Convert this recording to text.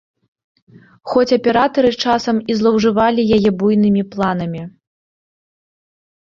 Хоць аператары часам і злоўжывалі яе буйнымі планамі.